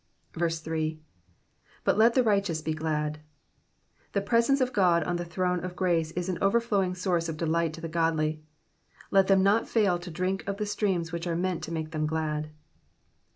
3. ''^Bat let the righteous he glad.^^ The presence of God on the throne of grace is an overflowing source of delight to the godly ; and let them not fail to drink of the streams which are meant to make them glad.